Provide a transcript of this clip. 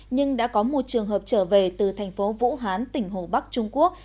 nhưng đã có một trường hợp trở về từ thành phố vũ hán tỉnh hồ bắc trung quốc